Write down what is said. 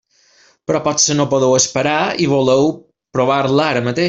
Però potser no podeu esperar i voleu provar-la ara mateix.